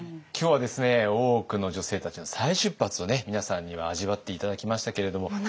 今日はですね大奥の女性たちの再出発を皆さんには味わって頂きましたけれども。